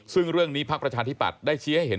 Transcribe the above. ซึ่งเรื่องนี้พักประชาธิปัตย์ได้ชี้ให้เห็น